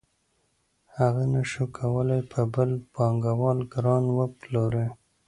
هغه نشوای کولی په بل پانګوال ګران وپلوري